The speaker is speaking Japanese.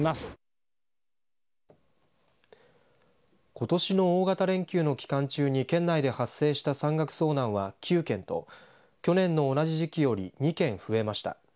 ことしの大型連休の期間中に県内で発生した山岳遭難は９件と去年の同じ時期より２件増えました。